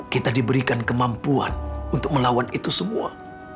kita diberikan kemampuan untuk melawan itu semua